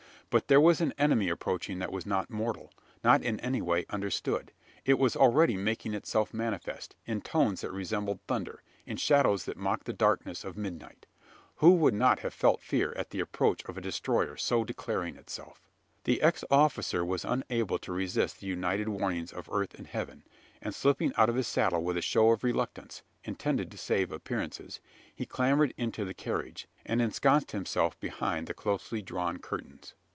But there was an enemy approaching that was not mortal not in any way understood. It was already making itself manifest, in tones that resembled thunder in shadows that mocked the darkness of midnight. Who would not have felt fear at the approach of a destroyer so declaring itself? The ex officer was unable to resist the united warnings of earth and heaven; and, slipping out of his saddle with a show of reluctance intended to save appearances he clambered into the carriage, and ensconced himself behind the closely drawn curtains.